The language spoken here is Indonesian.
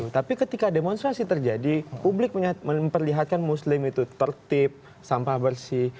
tapi ketika demonstrasi terjadi publik memperlihatkan muslim itu tertib sampah bersih